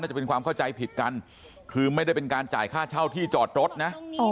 จะเป็นความเข้าใจผิดกันคือไม่ได้เป็นการจ่ายค่าเช่าที่จอดรถนะ